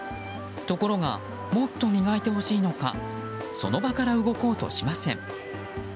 ところがもっと磨いてほしいのかその場から動こうとしません。